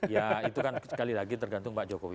ya itu kan sekali lagi tergantung pak jokowi